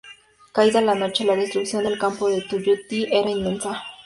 Caída la noche, la destrucción del campo de Tuyutí era inmensa.